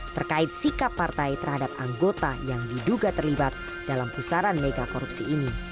terkait sikap partai terhadap anggota yang diduga terlibat dalam pusaran mega korupsi ini